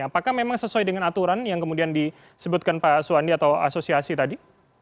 apakah memang sesuai dengan aturan yang kemudian disebutkan pak suwandi atau asosiasi tadi